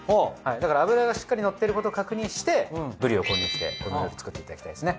だから脂がしっかりのってることを確認してブリを購入してこの料理作っていただきたいですね。